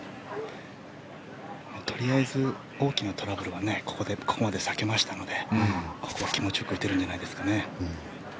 とりあえず大きなトラブルはここまで避けましたのでここは気持ちよく打てるんじゃないでしょうか。